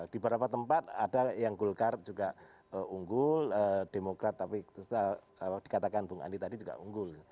di beberapa tempat ada yang golkar juga unggul demokrat tapi dikatakan bung andi tadi juga unggul